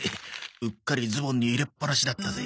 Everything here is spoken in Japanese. うっかりズボンに入れっぱなしだったぜ。